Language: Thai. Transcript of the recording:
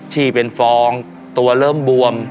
ที่เป็นฟองตัวเริ่มบวม